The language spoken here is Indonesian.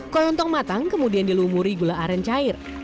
kolontong matang kemudian dilumuri gula aren cair